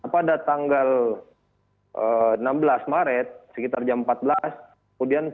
pada tanggal enam belas maret sekitar jam empat belas